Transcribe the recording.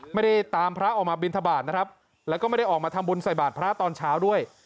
ไม่ได้ตามพระออกมาบินทบาทนะครับแล้วก็ไม่ได้ออกมาทำบุญใส่บาทพระตอนเช้าด้วย